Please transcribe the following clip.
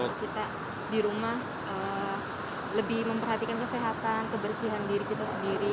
kita di rumah lebih memperhatikan kesehatan kebersihan diri kita sendiri